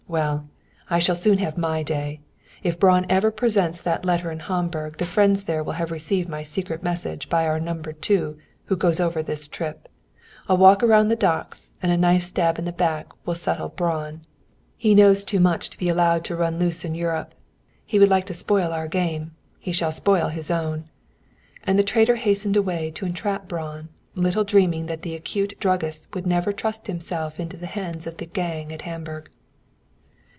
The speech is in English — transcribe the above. Well, I shall soon have my day. If Braun ever presents that letter in Hamburg the friends there will have received my secret message by our No. II, who goes over this trip. A walk around the docks, and a knife stab in the back will settle Braun. He knows too much to be allowed to run loose in Europe. He would like to spoil our game; he shall spoil his own." And the traitor hastened away to entrap Braun, little dreaming that the acute druggist would never trust himself to the hands of the "gang" at Hamburg.